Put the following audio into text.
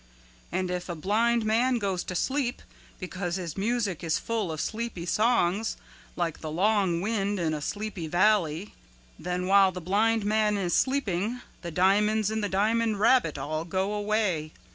And if a blind man goes to sleep because his music is full of sleepy songs like the long wind in a sleepy valley, then while the blind man is sleeping the diamonds in the diamond rabbit all go away.